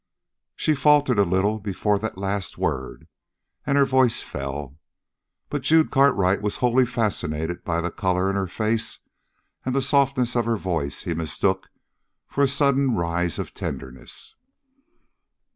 She faltered a little before that last word, and her voice fell. But Jude Cartwright was wholly fascinated by the color in her face, and the softness of her voice he mistook for a sudden rise of tenderness.